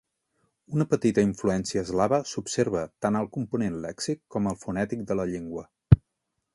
Una petita influència eslava s'observa tant al component lèxic com al fonètic de la llengua.